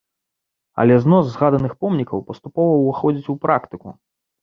Але знос згаданых помнікаў паступова ўваходзіць у практыку.